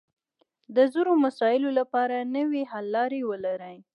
د زړو مسایلو لپاره نوې حل لارې ولري